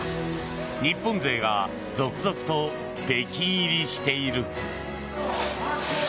日本勢が続々と北京入りしている。